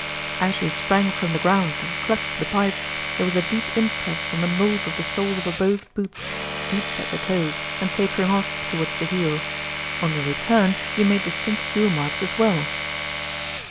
"As you sprang from the ground and clutched the pipe, there was a deep impress on the mould of the soles of both boots, deep at the toes and tapering off towards the heel. On your return you made distinct heel marks as well."